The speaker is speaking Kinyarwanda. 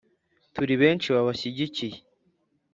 Turi benshi babashyigikiye